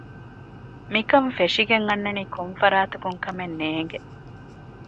މިކަން ފެށިގެން އަންނަނީ ކޮށްފަރާތަކުން ކަމެއް ނޭނގެ